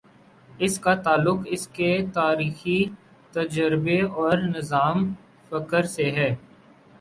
اس کا تعلق اس کے تاریخی تجربے اور نظام فکر سے ہے۔